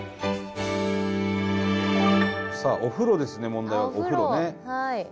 さあお風呂ですね問題は。